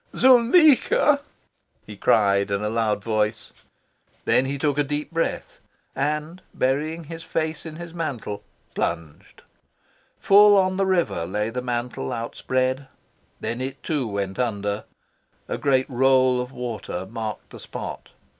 "Zuleika!" he cried in a loud voice. Then he took a deep breath, and, burying his face in his mantle, plunged. Full on the river lay the mantle outspread. Then it, too, went under. A great roll of water marked the spot.